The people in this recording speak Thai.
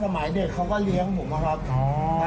สมัยเด็กเขาก็เลี้ยงผมอะครับ